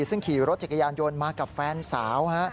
ซึ่งขี่รถจักรยานยนต์มากับแฟนสาว